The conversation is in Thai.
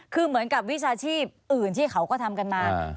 คือเหมือนกับวิชาชีพอื่นที่เขาก็ทำกันมา